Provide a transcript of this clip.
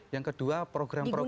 yang kedua program program